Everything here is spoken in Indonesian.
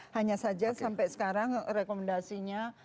hanya saja sampai sekarang rekomendasinya